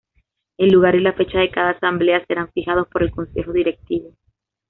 El lugar y la fecha de cada Asamblea serán fijados por el Consejo Directivo.